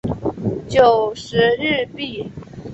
九十日币